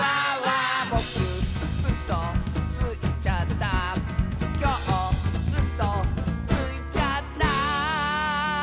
「ぼくうそついちゃった」「きょううそついちゃった」